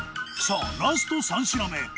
さあラスト三品目。